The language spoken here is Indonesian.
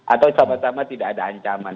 atau sama sama tidak ada ancaman